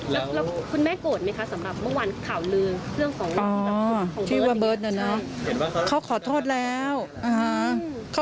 แล้วคุณแม่โกรธไหมคะ